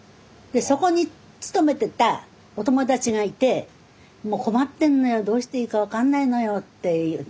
そこに勤めてたお友達がいて「もう困ってんのよどうしていいか分かんないのよ」って言うの。